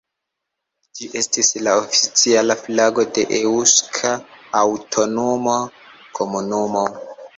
Ĝi estis la oficiala flago de Eŭska Aŭtonoma Komunumo.